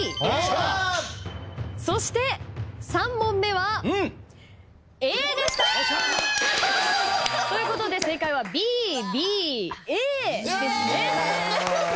そして３問目は。ということで正解はＢＢＡですね。